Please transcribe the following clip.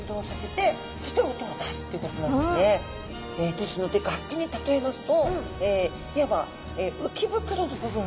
ですので楽器に例えますといわば鰾の部分はドラム。